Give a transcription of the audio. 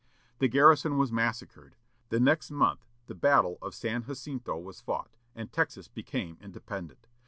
The garrison was massacred. The next month the battle of San Jacinto was fought, and Texas became independent.